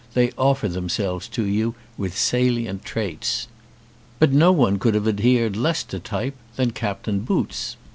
They offer themselves to you with salient traits. But no one could have adhered less to type than Captain Boots.